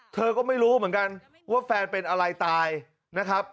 เธอก็ไม่รู้เหมือนกันว่าแฟนเป็นอะไรตายนะครับ